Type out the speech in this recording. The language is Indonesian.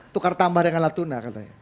tukar tambah dengan latuna